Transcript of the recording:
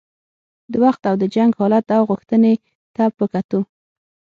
د وخت او د جنګ حالت او غوښتنې ته په کتو.